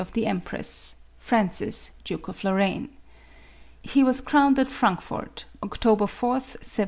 199 of the empress — Francis, Duke of Lorraine. He was crowned at Frankfort, Oct 4th, 1745.